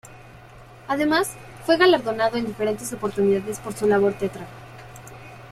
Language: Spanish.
Además, fue galardonado en diferentes oportunidades por su labor teatral.